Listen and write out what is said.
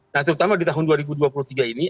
nah terutama di tahun dua ribu dua puluh tiga ini